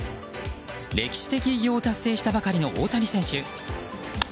歴史的偉業を達成したばかりの大谷選手。